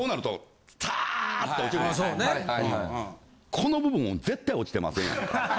この部分絶対落ちてませんやん。